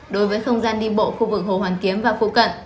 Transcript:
đối với không gian đi bộ khu vực hồ hoàn kiếm và phụ cận